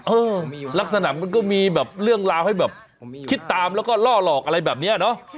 ลักษณะมันก็มีแบบเรื่องราวให้แบบคิดตามแล้วก็ล่อหลอกอะไรแบบนี้เนอะ